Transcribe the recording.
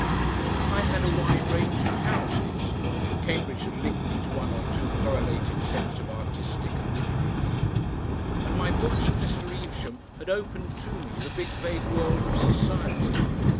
I had a wide range of houses; Cambridge had linked me to one or two correlated sets of artistic and literary people, and my books and Mr. Evesham and opened to me the big vague world of "society."